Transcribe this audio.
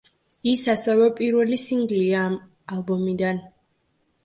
ის ასევე პირველი სინგლია ამ ალბომიდან.